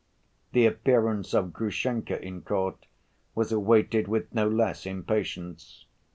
The appearance of Grushenka in court was awaited with no less impatience.